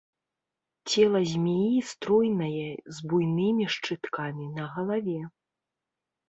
Цела змеі стройнае, з буйнымі шчыткамі на галаве.